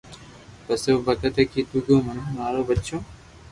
پسي او ڀگت اي ڪيدو ڪو مني مارو ٻچو